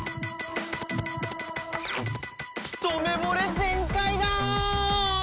ひと目ぼれ全開だ！